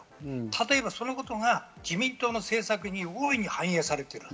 例えば、そのことが自民党の政策に大いに反映されている。